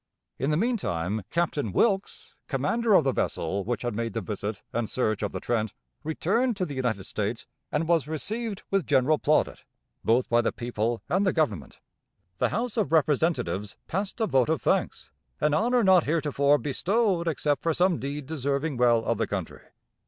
In the mean time, Captain Wilkes, commander of the vessel which had made the visit and search of the Trent, returned to the United States and was received with general plaudit, both by the people and the Government. The House of Representatives passed a vote of thanks, an honor not heretofore bestowed except for some deed deserving well of the country.